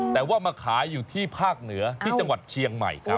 แต่ว่ามาขายอยู่ที่ภาคเหนือที่จังหวัดเชียงใหม่ครับ